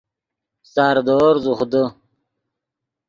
ساردور زوخ دے